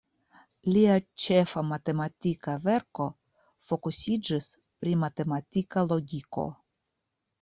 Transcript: Lia ĉefa matematika verko fokusiĝis pri matematika logiko.